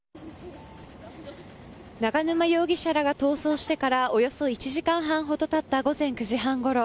永沼容疑者らが逃走してからおよそ１時間半ほど経った午前９時半ごろ